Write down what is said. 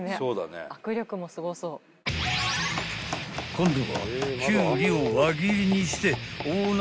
［今度は］